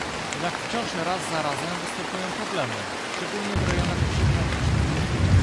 Jednak wciąż raz za razem występują problemy, szczególnie w rejonach przygranicznych